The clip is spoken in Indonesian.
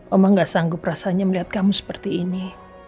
oma gak sanggup rasanya melihat kamu seperti ini